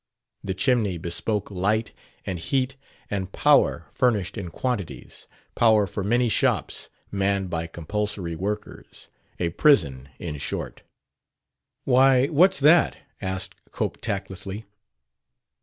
The chimney bespoke light and heat and power furnished in quantities power for many shops, manned by compulsory workers: a prison, in short. "Why, what's that?" asked Cope tactlessly.